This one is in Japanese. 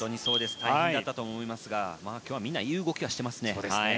大変だったと思いますが今日はみんないい動きをしています。